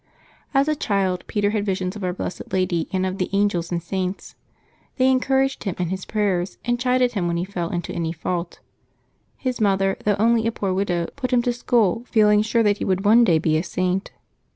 Hs a child, Peter had visions of our blessed Lady, and of the angels and saints. They encouraged him in his prayer, and chided him when he fell into any fault. His mother, though only a poor widow, put him to school, feeling sure that he would one day be a Saint.